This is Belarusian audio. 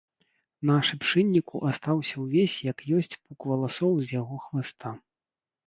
На шыпшынніку астаўся ўвесь як ёсць пук валасоў з яго хваста.